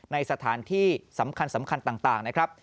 ในสถานที่สำคัญต่างนะครับ